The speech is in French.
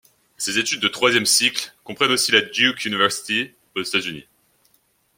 Ses études de troisième cycle comprennent aussi la Duke University, aux États-Unis.